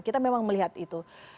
kita memang melihat itu